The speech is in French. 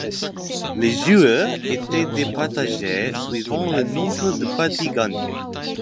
Les joueurs étaient départagés suivant le nombre de parties gagnées.